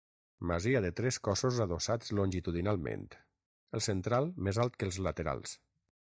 Masia de tres cossos adossats longitudinalment, el central més alt que els laterals.